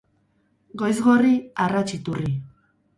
Goiz gorri, arrats iturri.